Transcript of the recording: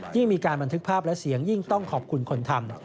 ยิ่งมีการบันทึกภาพและเสียงยิ่งต้องขอบคุณคนทำ